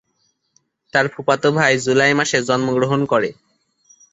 তার ফুফাতো ভাই জুলাই মাসে জন্মগ্রহণ করে।